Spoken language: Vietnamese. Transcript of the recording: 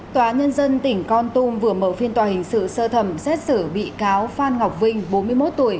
tòa nhân dân tỉnh con tum vừa mở phiên tòa hình sự sơ thẩm xét xử bị cáo phan ngọc vinh bốn mươi một tuổi